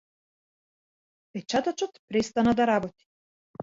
Печатачот престана да работи.